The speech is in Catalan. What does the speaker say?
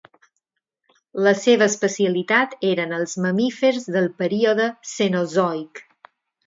La seva especialitat eren els mamífers del període Cenozoic.